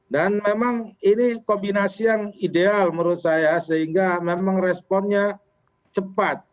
dan memang ini kombinasi yang ideal menurut saya sehingga memang responnya cepat